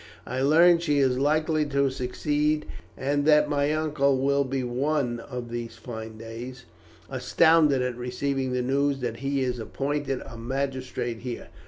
I learn she is likely to succeed, and that my uncle will be one of these fine days astounded at receiving the news that he is appointed a magistrate here.